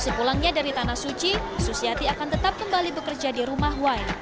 sepulangnya dari tanah suci susiati akan tetap kembali bekerja di rumah wai